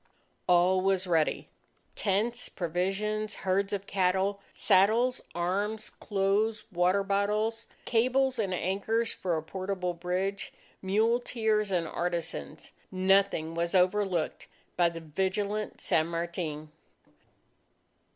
All was ready tents, provisions, herds of cattle, saddles, arms, clothes, water bottles, cables and anchors for a portable bridge, muleteers and artisans. Nothing was overlooked by the vigilant San Martin.